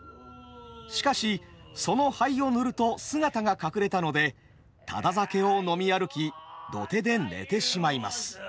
しかしその灰を塗ると姿が隠れたのでタダ酒を飲み歩き土手で寝てしまいます。